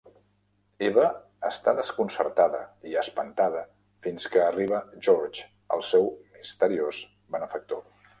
Eva està desconcertada i espantada fins que arriba Georges, el seu misteriós benefactor.